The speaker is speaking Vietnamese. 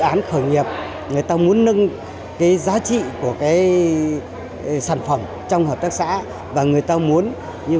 án khởi nghiệp người ta muốn nâng cái giá trị của cái sản phẩm trong hợp tác xã và người ta muốn như